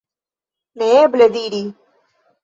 Neeble diri.